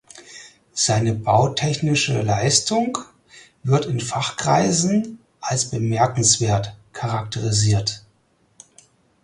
Seine bautechnische Leistung wird in Fachkreisen als „bemerkenswert“ charakterisiert.